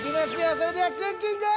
それではクッキング。